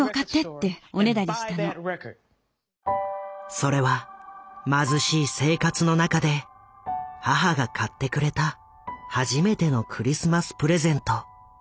それは貧しい生活の中で母が買ってくれた初めてのクリスマスプレゼント。